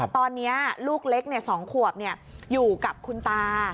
ตอนนี้ลูกเล็ก๒ขวบอยู่กับคุณตา